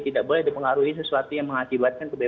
tidak boleh dipengaruhi sesuatu yang mengakibatkan